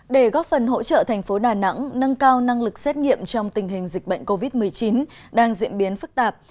để góp phần hỗ trợ thành phố đà nẵng nâng cao năng lực xét nghiệm trong tình hình dịch bệnh covid một mươi chín đang diễn biến phức tạp